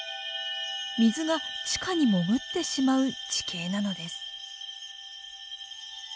水が地下に潜ってしまう地形なのです。